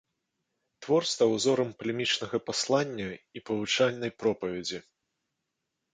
Твор стаў узорам палемічнага паслання і павучальнай пропаведзі.